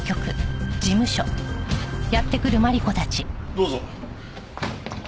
どうぞ。